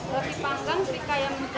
roti panggang serikaya mentega